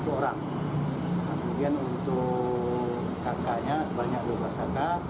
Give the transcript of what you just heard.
kemudian untuk kakaknya sebanyak dua belas kakak